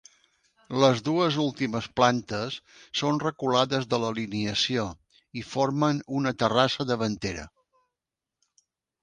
Les dues últimes plantes són reculades de l'alineació i formen una terrassa davantera.